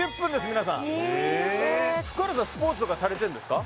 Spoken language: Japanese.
皆さんえっ福原さんスポーツとかされてんですか？